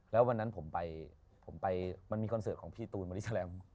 แล้ววันนั้นผมไปมันมีคอนเสิร์ตของพี่ตูนบริษัทแรม